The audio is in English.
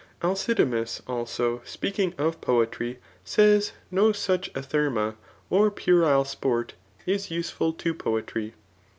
Alcidamas, also, speaking of poetry, says no such athurma^ or puerile sporty is useful to poetry.